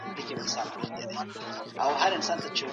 آيا ته مذهبي مراسم په آزادي ترسره کوې؟